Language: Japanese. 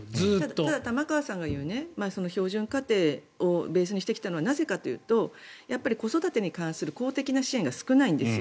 ただ玉川さんが言う標準家庭をベースにしてきたのはなぜかというと子育てに関する公的な支援が少ないんですよ。